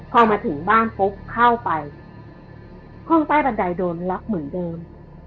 พอมาถึงบ้านปุ๊บเข้าไปห้องใต้บันไดโดนล็อกเหมือนเดิม